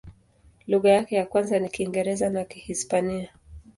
Lugha yake ya kwanza ni Kiingereza na Kihispania.